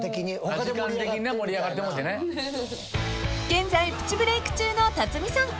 ［現在プチブレーク中の辰巳さん］